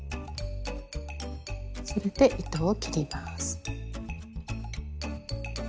それで糸を切ります。